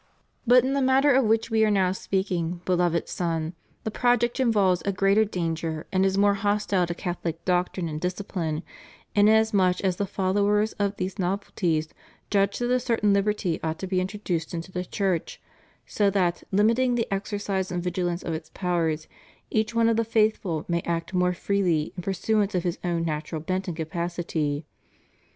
But in the matter of which we are now speaking. Beloved Son, the project involves a greater danger and is more hostile to Catholic doctrine and discipline, inasmuch as the followers of these novelties judge that a certain liberty ought to be introduced into the Church, so that, limiting the exercise and vigilance of its powers, each one of the faithful may act more freely in pursuance of his own natu ral bent and capacity.